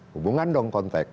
hubungan dong kontak